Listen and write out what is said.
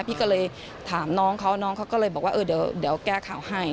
พี่ก็เลยถามน้องเขาน้องเขาก็เลยบอกว่าเออเดี๋ยวแก้ข่าวให้